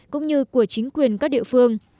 cũng như của chính quyền các địa phương